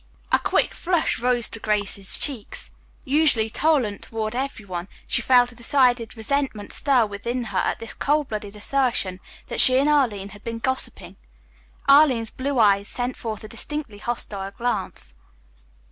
A quick flush rose to Grace's cheeks. Usually tolerant toward everyone, she felt a decided resentment stir within her at this cold blooded assertion that she and Arline had been gossiping. Arline's blue eyes sent forth a distinctly hostile glance.